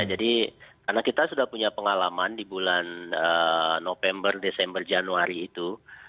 jadi karena kita sudah punya pengalaman di bulan november desember januari itu